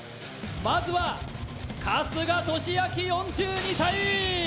まずは春日俊彰４２歳！